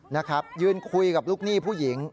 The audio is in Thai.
นะครับยืนคุยกับลูกหนี้ผู้หญิง